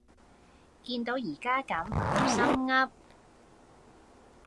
見都而家咁好心悒